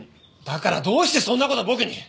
だからどうしてそんな事僕に！